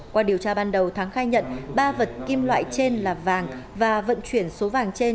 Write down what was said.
qua điều tra ban đầu thắng khai nhận ba vật kim loại trên là vàng và vận chuyển số vàng trên